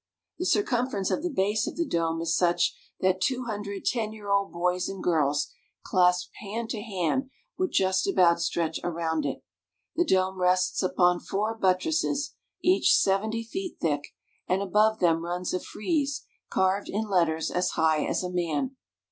The circumference of the base of the dome is such that two hundred ten year old boys and girls clasped hand to hand would just about stretch around it. The dome rests upon four buttresses, each seventy feet thick, and above them runs a frieze carved in letters as high as a man.